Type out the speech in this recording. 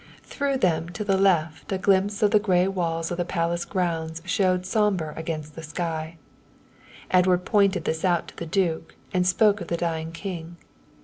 Through them to the left a glimpse of the grey walls of the Palace grounds showed sombre against the sky. Edward pointed this out to the duke and spoke of the dying king.